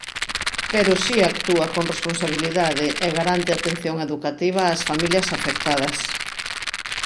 Pero si actúa con responsabilidade e garante a atención educativa ás familias afectadas.